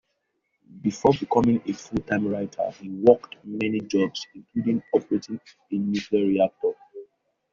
Before becoming a full-time writer, he worked many jobs, including operating a nuclear reactor.